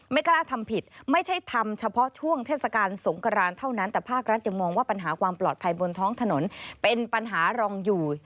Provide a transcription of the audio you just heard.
ไม่กล้าทำผิดไม่ใช่ทำเฉพาะช่วงเทศกาลสงครานเท่านั้นแต่ภาครัฐยังมองว่าปัญหาความปลอดภัยบนท้องถนนเป็นปัญหารองอยู่